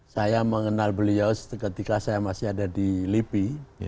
saya mengenal beliau ketika saya masih ada di lipi